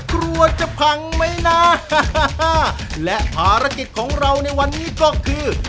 กลัวจะพังไหมนะและภารกิจของเราในวันนี้ก็คือ